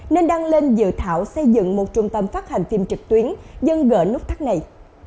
nên đăng lên dự thảo xây dựng một trung tâm phát hành phim trực tuyến dân gỡ nút thắt này